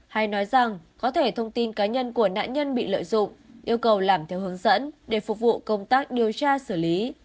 hay nói rằng có thể thông tin cá nhân của nạn nhân bị lợi dụng yêu cầu làm theo hướng dẫn để phục vụ công tác điều tra xử lý